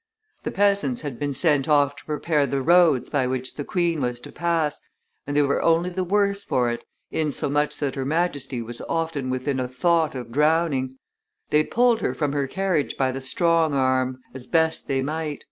The peasants had been sent off to prepare the roads by which the queen was to pass, and they were only the worse for it, insomuch that Her Majesty was often within a thought of drowning; they pulled her from her carriage by the strong arm, as best they might.